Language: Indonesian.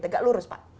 tegak lurus pak